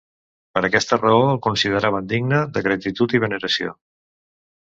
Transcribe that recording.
Per aquesta raó, el consideraven digne de gratitud i veneració.